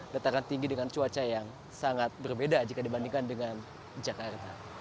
dataran tinggi dengan cuaca yang sangat berbeda jika dibandingkan dengan jakarta